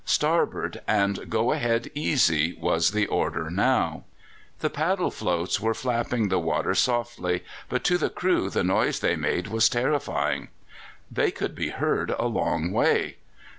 "Starboard and go ahead easy" was the order now. The paddle floats were flapping the water softly, but to the crew the noise they made was terrifying. They could be heard a long way.